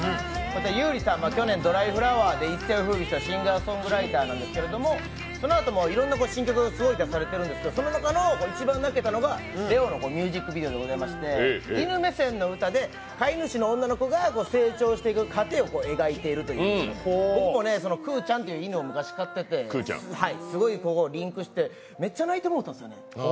優里さんは去年「ドライフラワー」で一世を風靡したシンガーソングライターなんですけどそのあともいろんな新曲がすごい出されているんですけれどその中の一番泣けたのが「レオ」のミュージックビデオでございまして犬目線の歌で、飼い主の女の子が成長していく過程を描いている、僕もくうちゃんっていう犬を昔飼っていて、すごいリンクしてめっちゃ泣いてもうたんですよね。